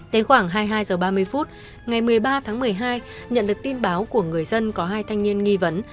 đến khoảng hai mươi hai h ba mươi phút ngày một mươi ba tháng một mươi hai nhận được tin báo của người dân có hai thanh niên nghi vấn